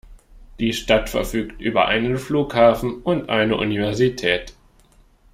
Die Stadt verfügt über einen Flughafen und eine Universität.